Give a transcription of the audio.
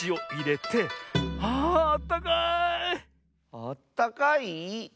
あったかい？